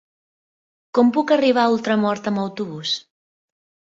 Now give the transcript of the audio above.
Com puc arribar a Ultramort amb autobús?